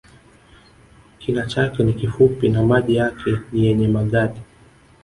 Kina chake ni kifupi na maji yake ni yenye magadi